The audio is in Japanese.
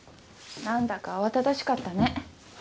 何だか慌ただしかったね。